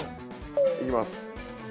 いきます。